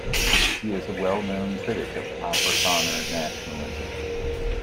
He is a well-known critic of Afrikaner nationalism.